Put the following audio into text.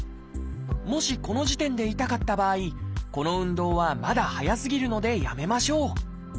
もしこの時点で痛かった場合この運動はまだ早すぎるのでやめましょう。